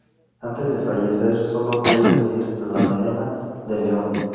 Antes de fallecer sólo ha podido decir: "¡La melena de león!